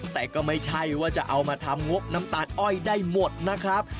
แต่ก็ไม่ใช่ว่าจะเอามาทำงบน้ำตาลอ้อยได้หมดนะครับ